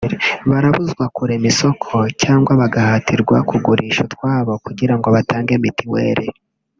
barabuzwa kurema isoko cyangwa bagahatirwa kugurisha utwabo kugirango batange mutuel